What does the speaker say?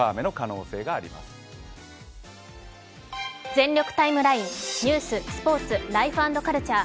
「全力ＴＩＭＥライン」ニュース、スポーツ、ライフ＆カルチャー